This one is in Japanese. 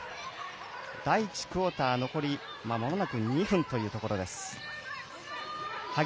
第１クオーター残りまもなく２分というところです。